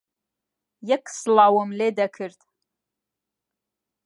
یەک سڵاوم لێ دەکرد